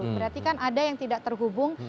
berarti kan ada yang tidak terhubung